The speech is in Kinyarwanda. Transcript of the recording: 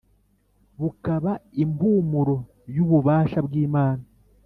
bukaba impumuro y’ububasha bw’Imana,